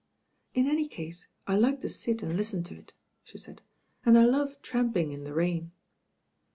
"In any case I like to sit and listen to it," she said, "and I love tramping in the rain."